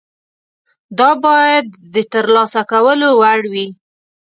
دا باید د ترلاسه کولو وړ وي.